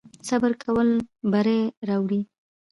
صبر کول بری راوړي